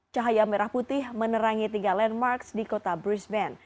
cahaya merah putih menerangi tiga landmarks di kota brisbane